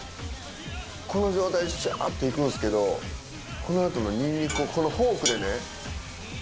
この状態でジャっといくんすけどこの後のニンニクをこのフォークでね。